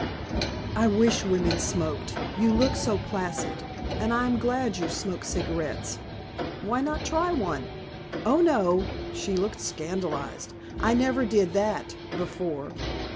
"I wish women smoked. You look so placid. And I am glad you smoke cigarettes." "Why not try one?" "Oh, no!" She looked scandalized. "I never did that before.